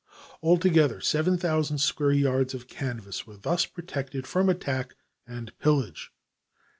Altogether, seven thousand square yards of canvas were thus protected from attack and pillage.